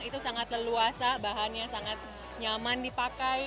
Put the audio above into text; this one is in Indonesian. itu sangat leluasa bahannya sangat nyaman dipakai